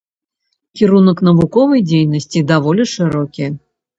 Кірунак навуковай дзейнасці даволі шырокі.